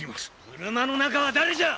車の中は誰じゃ！